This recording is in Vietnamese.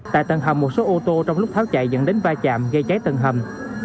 tại tầng hầm một số ô tô trong lúc tháo chạy dẫn đến va chạm gây cháy tầng hầm